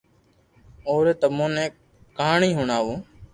اوري تمو ني ڪھاني ھڻاوُ